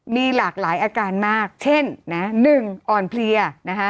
มีหลากหลายอาการมากเช่นนะ๑อ่อนเพลียนะคะ